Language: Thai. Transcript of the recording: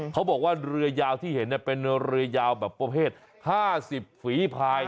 เขาบอกว่าเรือยาวที่เห็นเป็นเรือยาวแบบประเภท๕๐ฝีภาย